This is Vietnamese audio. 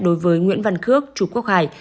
đối với nguyễn văn khước trục quốc hải